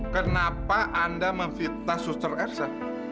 kenapa anda memvita suster ersa